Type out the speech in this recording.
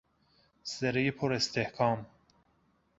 زره پر استحکام